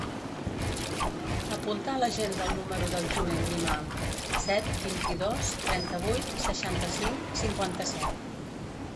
Apunta a l'agenda el número del Julen Grimalt: set, vint-i-dos, trenta-vuit, seixanta-cinc, cinquanta-set.